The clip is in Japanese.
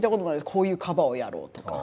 こういうカバーをやろうとか。